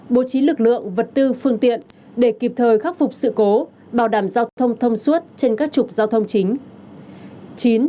bố trí lực lượng vật tư phương tiện để kịp thời khắc phục sự cố bảo đảm giao thông thông suốt trên các trục giao thông chính